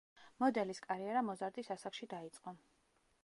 მოდელის კარიერა მოზარდის ასაკში დაიწყო.